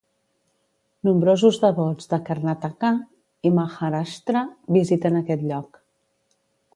Nombrosos devots de Karnataka i Maharashtra visiten aquest lloc.